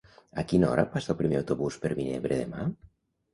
A quina hora passa el primer autobús per Vinebre demà?